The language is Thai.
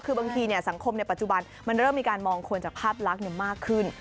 คือบางทีสังคมในปัจจุบันมันเริ่มมีการมองคนจากภาพลักษณ์มากขึ้น